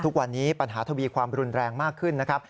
ทุกวันนี้ปัญหาทวีความรุนแรงมากขึ้นนะครับ